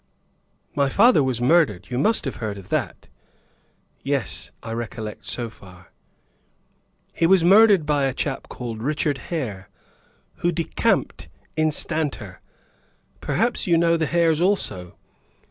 "My father was murdered you must have heard of that?" "Yes, I recollect so far." "He was murdered by a chap called Richard Hare, who decamped instanter. Perhaps you know the Hares also?